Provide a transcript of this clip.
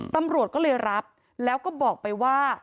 ตำรวจก็เลยรับแล้วก็บอกไปว่า